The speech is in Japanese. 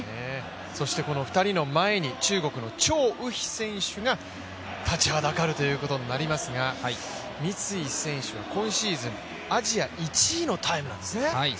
そしてこの２人の前に中国の張雨霏選手が立ちはだかることになりますが、三井選手は今シーズン、アジア１位のタイムなんですね。